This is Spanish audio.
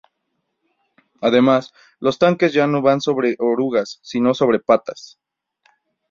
Además, los tanques ya no van sobre orugas, sino sobre patas.